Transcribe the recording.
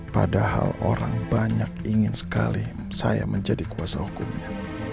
padahal orang banyak ingin sekali saya menjadi kuasa hukumnya